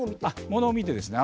ものを見てですね。